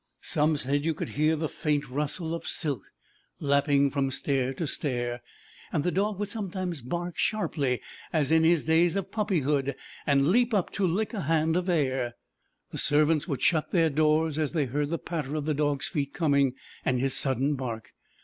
Some said you could hear the faint rustle of silk lapping from stair to stair, and the dog would sometimes bark sharply as in his days of puppyhood, and leap up to lick a hand of air. The servants would shut their doors as they heard the patter of the dog's feet coming, and his sudden bark.